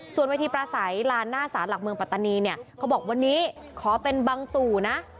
ส่วนเวทีประสัยลานหน้าศาลหลักเมืองปัตตานีเนี่ยเขาบอกวันนี้ขอเป็นบังตู่นะ